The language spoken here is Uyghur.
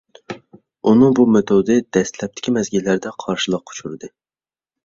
ئۇنىڭ بۇ مېتودى دەسلەپكى مەزگىللەردە قارشىلىققا ئۇچرىدى.